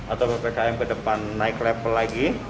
atau ppkm ke depan naik level lagi